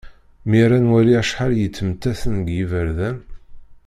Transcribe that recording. Mi ara nwali acḥal i yettmettaten deg yiberdan.